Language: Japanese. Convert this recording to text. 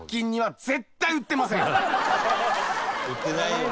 売ってないよね。